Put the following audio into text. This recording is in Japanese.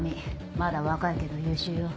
まだ若いけど優秀よ。